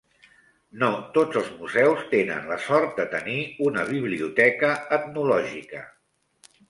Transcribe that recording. No tots els museus tenen la sort de tenir una biblioteca etnològica.